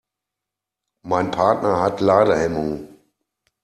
Mein Partner hat Ladehemmungen.